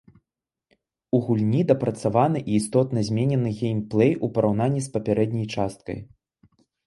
У гульні дапрацаваны і істотна зменены геймплэй у параўнанні з папярэдняй часткай.